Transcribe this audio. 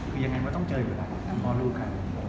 คือยังไงว่าต้องเจออยู่แล้วพอรู้ค่ะ